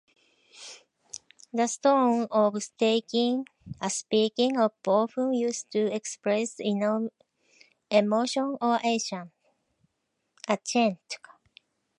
The tone of speaking is often used to express emotion or accent.